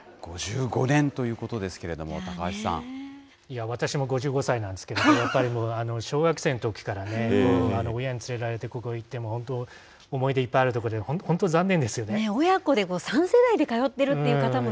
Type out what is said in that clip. ５５年ということですけれど私も５５歳なんですけれども、やっぱり小学生のときからね、親に連れられてここ行って、本当、思い出いっぱいある所で、本当残念ですよね。